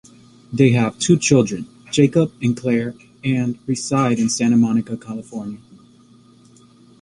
They have two children, Jacob and Claire, and reside in Santa Monica, California.